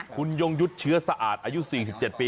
คุณยงยุทธ์เชื้อสะอาดอายุ๔๗ปี